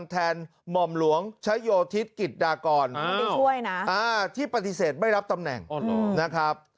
หม่อมหลวงชะโยธิศกิจดากรที่ปฏิเสธไม่รับตำแหน่งนะครับ